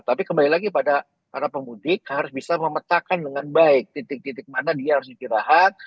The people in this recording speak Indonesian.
tapi kembali lagi pada para pemudik harus bisa memetakan dengan baik titik titik mana dia harus istirahat